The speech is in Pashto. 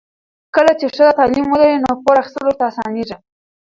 کله چې ښځه تعلیم ولري، نو پور اخیستل ورته اسانېږي.